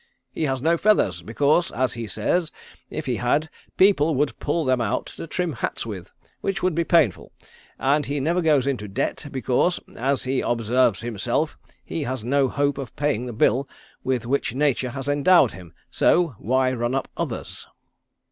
"He has no feathers, because, as he says, if he had, people would pull them out to trim hats with, which would be painful, and he never goes into debt because, as he observes himself, he has no hope of paying the bill with which nature has endowed him, so why run up others?"